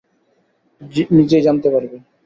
নিজেই জানতে পারবে!